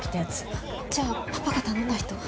あっじゃあパパが頼んだ人？